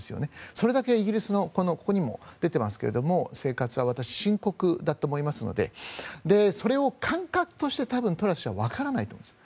それだけイギリスの生活はここにも出ていますが深刻だと思いますのでそれを感覚としてトラス氏は多分わからないと思うんです。